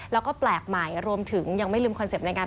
แล้วก็แปลกใหม่รวมถึงยังไม่ลืมคอนเซ็ตในงาน